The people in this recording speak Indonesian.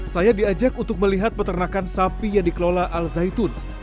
saya diajak untuk melihat peternakan sapi yang dikelola al zaitun